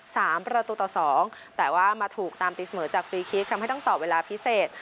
สามประตูต่อสองแต่ว่ามาถูกตามตีเสมอจากฟรีคิกทำให้ต้องต่อเวลาพิเศษ